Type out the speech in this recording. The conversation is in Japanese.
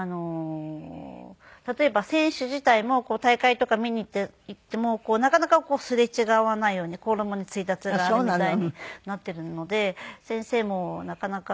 例えば選手自体も大会とか見に行ってもなかなかすれ違わないようにこんなふうについたてがあるみたいになっているので先生もなかなかこう。